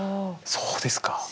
そうですか。